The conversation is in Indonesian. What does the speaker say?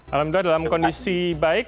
alhamdulillah dalam kondisi baik